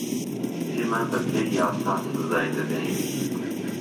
ئێمه بهپێی یاسا سزای دهدهین